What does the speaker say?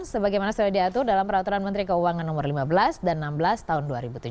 sebagaimana sudah diatur dalam peraturan menteri keuangan no lima belas dan enam belas tahun dua ribu tujuh belas